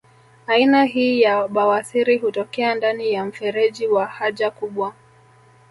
Aina hii ya bawasiri hutokea ndani ya mfereji wa haja kubwa